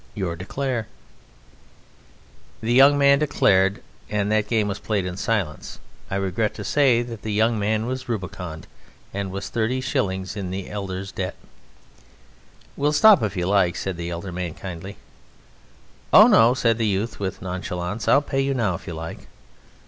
Your declare." The young man declared, and that game was played in silence. I regret to say that the young man was Rubiconed, and was thirty shillings in the elder's debt. "We'll stop if you like" said the elder man kindly. "Oh, no," said the youth with nonchalance, "I'll pay you now if you like."